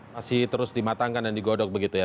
masih terus dimatangkan dan digodok begitu ya